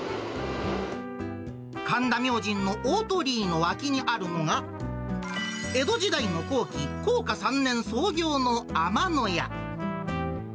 神田明神の大鳥居の脇にあるのが、江戸時代の後期、弘化３年創業の天野屋。